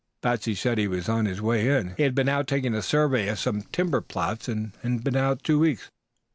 Patsey said he was on his way in. He had been out taking a survey of some timber plots and had been out two weeks.